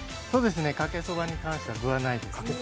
かけそばに関しては具はないです。